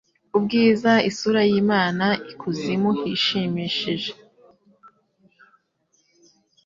Ubwiza isura y'Imana ikuzimu hishimishije